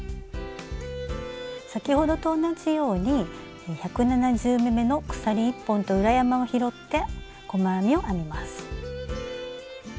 先ほどと同じように１７０目めの鎖１本と裏山を拾って細編みを編みます。